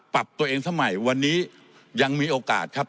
ปรับตัวเองสมัยวันนี้ยังมีโอกาสครับ